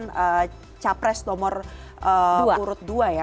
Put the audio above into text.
dari pernyataan capres nomor dua ya